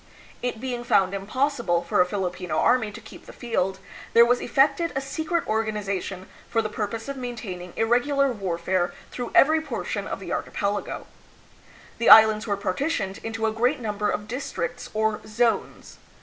It being found impossible for a Filipino army to keep the field, there was effected a secret organization for the purpose of maintaining irregular warfare through every portion of the archipelago. The Islands were partitioned into a great number of districts or "zones."